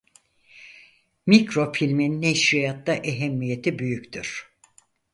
Mikrofilmin neşriyatta ehemmiyeti büyüktür.